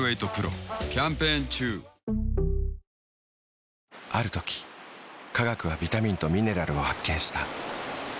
あぁある時科学はビタミンとミネラルを発見した。